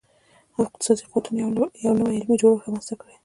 اقتصادي قوتونو یو نوی علمي جوړښت رامنځته کړي.